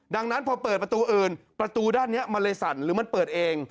ดังนั้นพอเปิดประตูอื่นประตูด้านนี้มันเลยสั่นหรือมันเปิดเอง